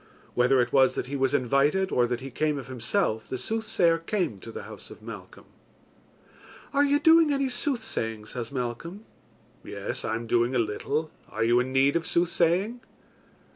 Whether it was that he was invited or that he came of himself, the soothsayer came to the house of Malcolm. "Are you doing any soothsaying?" says Malcolm. "Yes, I am doing a little. Are you in need of soothsaying?"